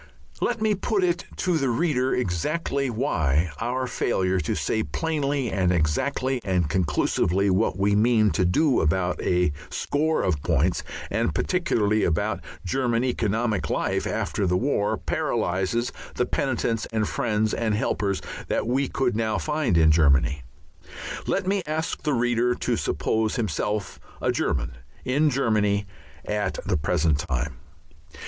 Let me put it to the reader exactly why our failure to say plainly and exactly and conclusively what we mean to do about a score of points, and particularly about German economic life after the war, paralyses the penitents and friends and helpers that we could now find in Germany. Let me ask the reader to suppose himself a German in Germany at the present time.